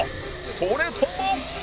それとも